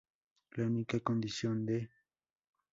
La única condición de Mr.